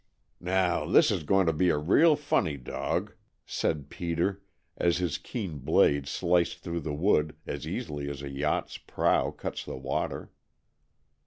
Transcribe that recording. "Now, this is going to be a real funny dog," said Peter, as his keen blade sliced through the wood as easily as a yacht's prow cuts the water.